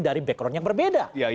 dari background yang berbeda